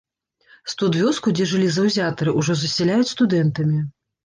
Студвёску, дзе жылі заўзятары, ужо засяляюць студэнтамі.